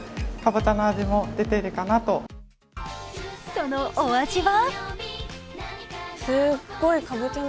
そのお味は？